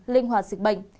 linh hoạt dịch bệnh